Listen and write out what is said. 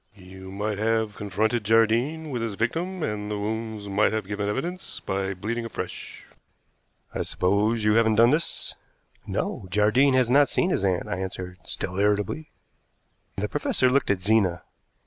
You might have confronted Jardine with his victim, and the wounds might have given evidence by bleeding afresh. I suppose you haven't done this?" "No, Jardine has not seen his aunt," I answered, still irritably. The professor looked at Zena.